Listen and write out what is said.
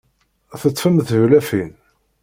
Teṭṭfem-d tiwlafin?